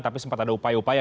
tapi sempat ada upaya upaya